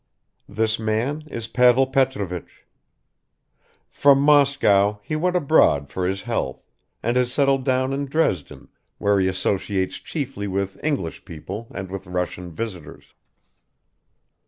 This man is Pavel Petrovich. From Moscow he went abroad for his health, and has settled down in Dresden, where he associates chiefly with English people and with Russian visitors.